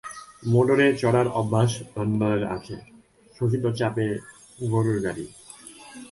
মোটরে চড়ার অভ্যাস নন্দলালের আছে, শশী তো চাপে গোরুর গাড়ি।